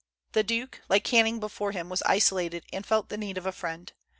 The duke, like Canning before him, was isolated, and felt the need of a friend.